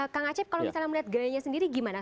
kang acep kalau misalnya melihat gayanya sendiri gimana